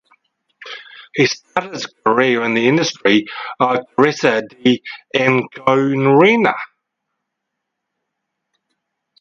He started his career in the gallery of Teresa de Anchorena.